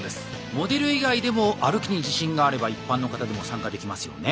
モデル以外でも歩きに自信があれば一般の方でも参加できますよね？